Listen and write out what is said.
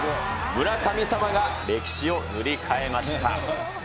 村神様が歴史を塗り替えました。